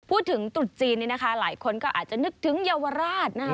ตรุษจีนนี้นะคะหลายคนก็อาจจะนึกถึงเยาวราชนะคะ